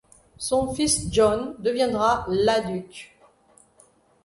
Son fils John deviendra la duc.